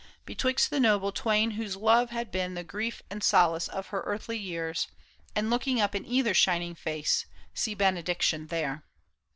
Betwixt the noble twain whose love had been The grief and solace of her earthly yeais, And looking up in either shining face. See benediction there.